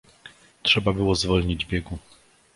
"Trzeba było zwolnić biegu."